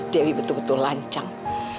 dewi betul betul lancang